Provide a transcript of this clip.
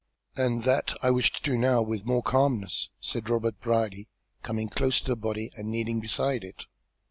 "And that I wish to do now with more calmness," said Robert Brierly, coming close to the body and kneeling beside it.